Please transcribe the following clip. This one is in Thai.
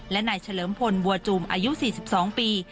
และนายเฉลิมพลบัวจูมอายุ๔๒ปี